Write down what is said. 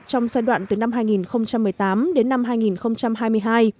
trong giai đoạn từ năm hai nghìn một mươi tám đến năm hai nghìn hai mươi hai